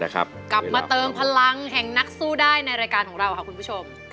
กลับมาเติมพลังแห่งนักสู้ได้ในรายการของเราค่ะคุณผู้ชม